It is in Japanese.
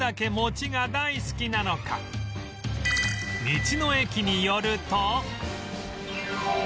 道の駅に寄ると